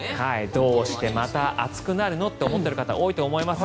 どうしてまた暑くなるのと思っている方、多いと思います。